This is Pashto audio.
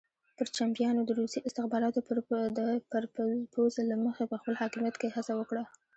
پرچمیانو د روسي استخباراتو د پرپوزل له مخې په خپل حاکمیت کې هڅه وکړه.